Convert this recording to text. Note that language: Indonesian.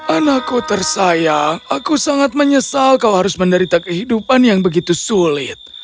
anakku tersayang aku sangat menyesal kau harus menderita kehidupan yang begitu sulit